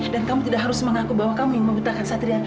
dan kamu tidak harus mengaku bahwa kamu yang membutakan satria